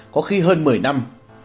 có khi hơn một mươi năm